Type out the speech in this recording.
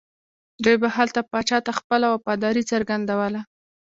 دوی به هلته پاچا ته خپله وفاداري څرګندوله.